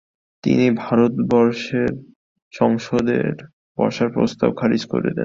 তিনি ভারত সংসদে বসার প্রস্তাব খারিজ করে দেন।